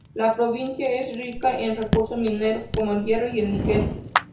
La provincia es rica en recursos mineros como el hierro y el níquel.